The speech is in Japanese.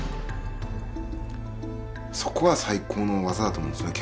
そこが最高の技だと思うんですよね